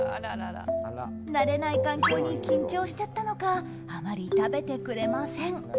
慣れない環境に緊張しちゃったのかあまり食べてくれません。